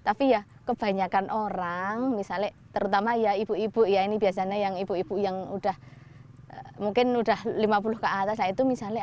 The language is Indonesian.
tapi ya kebanyakan orang misalnya terutama ya ibu ibu ya ini biasanya yang ibu ibu yang udah mungkin udah lima puluh ke atas lah itu misalnya